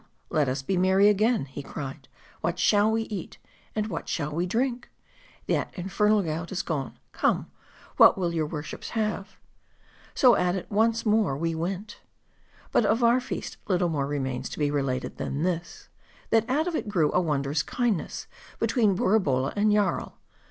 let us be merry again," he cried, lt what shall we eat ? and what shall we drink ? that infernal gout is gone ; come, what will your worships have ?", So at it once more we went. But of our feast, little more remains to be related than this ; that out of it, grew a wondrous kindness between Borabolla and Jarl.